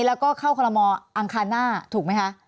แล้วก็เข้าคอลโมอังคารหน้าถูกไหมคะ